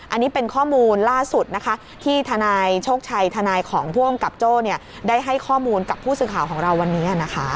อันนี้เป็นข้อมูลล่าสุดนะคะที่ทนายโชคชัยทนายของผู้กำกับโจ้ได้ให้ข้อมูลกับผู้สื่อข่าวของเราวันนี้นะคะ